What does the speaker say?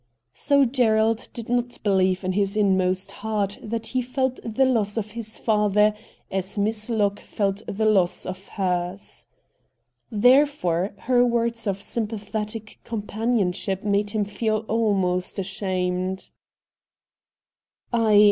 So Gerald did not believe in his inmost heart that he felt the loss of his father as Miss Locke felt the loss of hers. Therefore her words of sympathetic companionship made him feel almost ashamed.